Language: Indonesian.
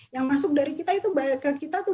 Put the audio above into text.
yang masuk dari kita itu